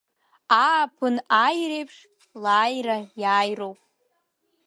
Ааԥын ааиреиԥш, лааира иааироуп.